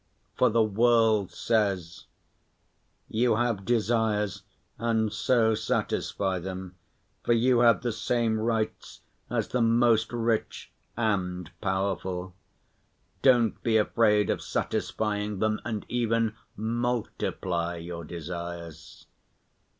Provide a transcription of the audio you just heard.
For the world says: "You have desires and so satisfy them, for you have the same rights as the most rich and powerful. Don't be afraid of satisfying them and even multiply your desires."